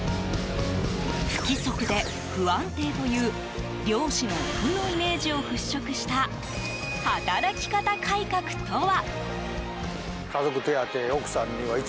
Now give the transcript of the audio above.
不規則で不安定という漁師の負のイメージを払拭した働き方改革とは？